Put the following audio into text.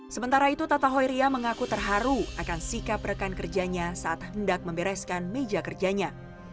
sementara itu tata hoiria mengaku terharu akan sikap rekan kerjanya saat hendak membereskan meja kerjanya